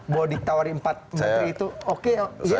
bahwa ditawari empat menteri itu oke yes or no mas